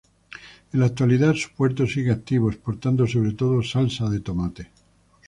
En la actualidad su puerto sigue activo, exportando sobre todo salsa de tomate.